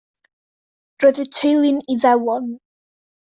Roedd y teulu'n Iddewon.